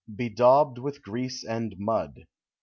Bedaubed with grease and mud.